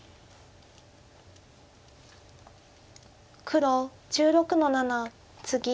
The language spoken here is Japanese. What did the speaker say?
黒１６の七ツギ。